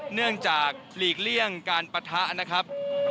เนื่องจากหลีกเลี่ยงการปะทะนะครับ